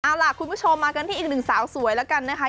เอาล่ะคุณผู้ชมมากันที่อีกหนึ่งสาวสวยแล้วกันนะคะ